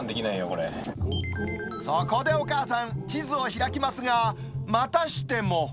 そこでお母さん、地図を開きますが、またしても。